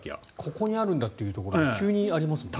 ここにあるんだというところが急にありますもんね。